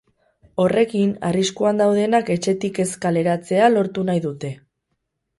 Horrekin, arriskuan daudenak etxetik ez kaleratzea lortu nahi dute.